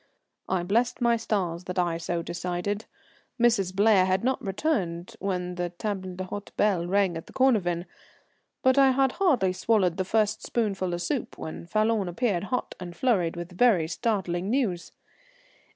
I blessed my stars that I so decided. Mrs. Blair had not returned when the table d'hôte bell rang at the Cornavin, but I had hardly swallowed the first spoonful of soup when Falloon appeared, hot and flurried, with very startling news.